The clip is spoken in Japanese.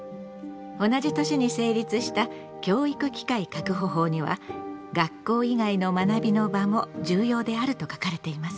同じ年に成立した教育機会確保法には「学校以外の学びの場も重要である」と書かれています。